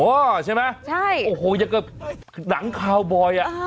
ใช่ไหมใช่โอ้โหอย่างกับหนังคาวบอยอ่ะ